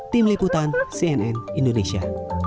tim liputan cnn indonesia